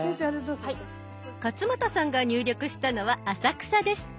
勝俣さんが入力したのは「浅草」です。